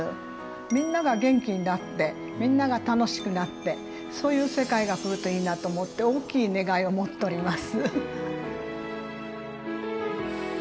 みんなが元気になってみんなが楽しくなってそういう世界が来るといいなと思って大きい願いを持っております。